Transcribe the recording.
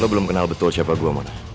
lo belum kenal betul siapa gue mona